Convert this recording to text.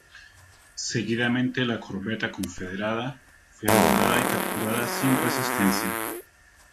Seguidamente la corbeta confederada fue abordada y capturada sin resistencia.